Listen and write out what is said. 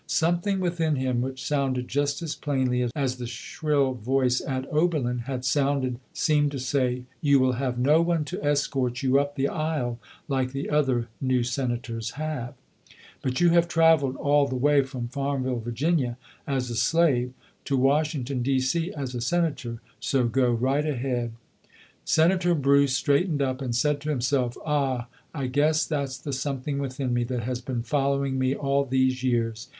Something within him, which sounded just as plainly as the shrill voice at Oberlin had sounded, seemed to say, "You will have no one to escort 122 ] UNSUNG HEROES you up the aisle like the other new senators have ; but you have traveled all the way from Farmville, Virginia, as a slave, to Washington, D. C., as a senator, so go right ahead". Senator Bruce straightened up and said to him self, "Ah! I guess that's the something within me that has been following me all these years.